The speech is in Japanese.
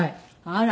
あら。